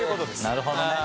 なるほどね。